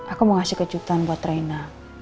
aku mau kasih kejutan buat rena